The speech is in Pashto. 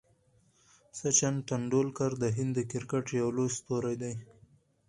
سچن ټندولکر د هند د کرکټ یو لوی ستوری دئ.